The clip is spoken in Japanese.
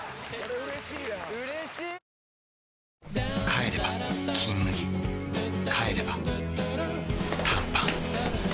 帰れば「金麦」帰れば短パン